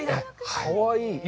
かわいい。